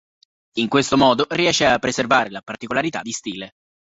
In questo modo riesce a preservare la particolarità di stile.